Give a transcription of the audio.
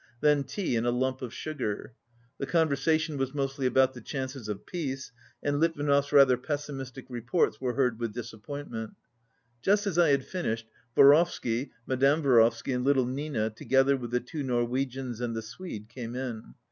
Then tea and a lump of sugar. The conversation was mostly about the chances of peace, and Litvinov's rather pessimistic reports were heard with disappoint ment. Just as I had finished, Vorovsky, Madame Vorovsky and little Nina, together with the two Norwegians and the Swede, came in.